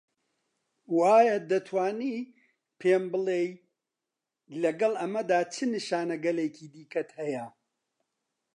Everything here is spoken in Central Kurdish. و ئایا دەتوانی پێم بڵێی لەگەڵ ئەمەدا چ نیشانەگەلێکی دیکەت هەیە؟